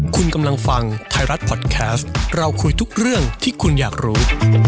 คุณกำลังฟังไทยรัฐพอดแคสต์เราคุยทุกเรื่องที่คุณอยากรู้